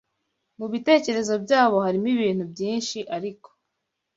Mu bitekerezo byabo harimo ibintu byinshi ariko